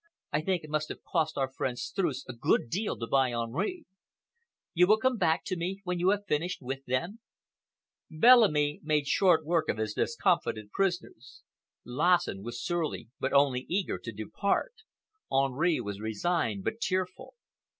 I think it must have cost our friend Streuss a good deal to buy Henri. You will come back to me when you have finished with them?" Bellamy made short work of his discomfited prisoners. Lassen was surly but only eager to depart; Henri was resigned but tearful.